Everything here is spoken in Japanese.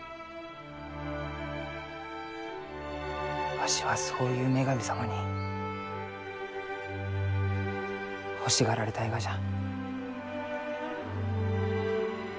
わしはそういう女神様に欲しがられたいがじゃ。